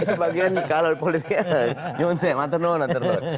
sebagian kalau di politiknya nyonse maturnu naternur